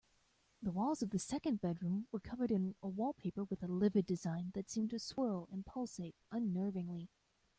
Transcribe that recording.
The walls of the second bedroom were covered in a wallpaper with a livid design that seemed to swirl and pulsate unnervingly.